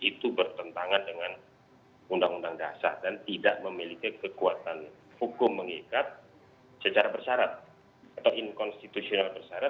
itu bertentangan dengan undang undang dasar dan tidak memiliki kekuatan hukum mengikat secara bersarat atau inkonstitusional bersyarat